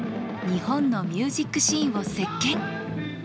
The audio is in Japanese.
日本のミュージックシーンを席けん。